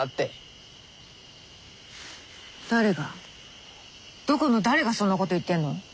どこの誰がそんなこと言ってるの。